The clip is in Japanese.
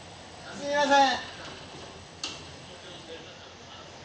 すみません。